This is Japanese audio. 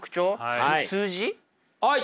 はい！